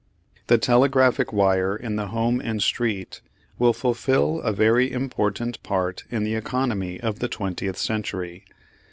The telegraphic wire in the home and street will fulfil a very important part in the economy of the twentieth century.